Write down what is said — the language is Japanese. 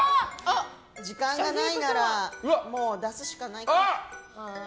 時間がないならもう出すしかないか。